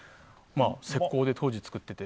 石膏で当時、作っていて。